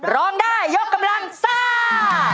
ร้องได้ยกกำลังซ่า